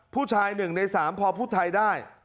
ผู้ชาย๑ใน๓พอพูดไทยได้